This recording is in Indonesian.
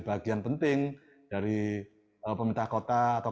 bagian penting dari pemerintah kota atau